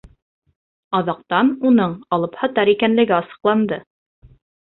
Аҙаҡтан уның алыпһатар икәнлеге асыҡланды.